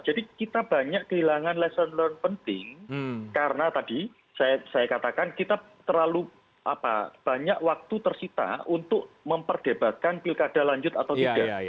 jadi kita banyak kehilangan lesson learned penting karena tadi saya katakan kita terlalu banyak waktu tersita untuk memperdebatkan pilkada lanjut atau tidak